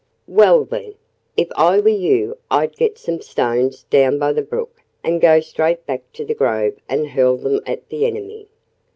"Well, then if I were you I'd get some stones down by the brook and go straight back to the grove and hurl them at the enemy."